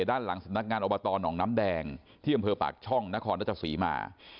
ด้านหลังสถานกงานอบตอนหนงน้ำแดงที่กับพปากช่องนะครณฑษีมา